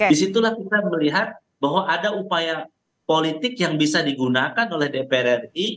disitulah kita melihat bahwa ada upaya politik yang bisa digunakan oleh dpr ri